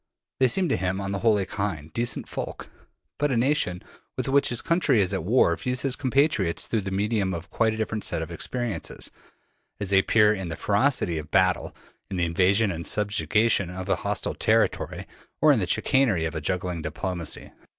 They seem to him on the whole kindly, decent folk. But a nation with which his country is at war views his compatriots through the medium of a quite different set of experiences: as they appear in the ferocity of battle, in the invasion and subjugation of a hostile territory, or in the chicanery of a juggling diplomacy.